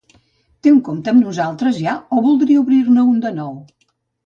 Té un compte amb nosaltres ja, o voldria obrir-ne un de nou?